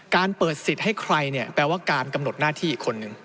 เปิดสิทธิ์ให้ใครเนี่ยแปลว่าการกำหนดหน้าที่อีกคนนึง